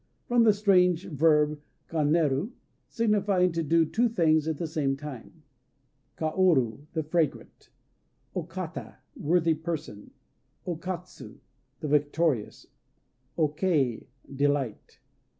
From the strange verb kaneru, signifying, to do two things at the same time. Kaoru "The Fragrant." O Kata "Worthy Person." O Katsu "The Victorious." O Kei "Delight."